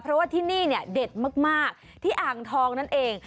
เพราะว่าที่นี่เนี่ยเด็ดมากที่อ่างทองนั่นเอง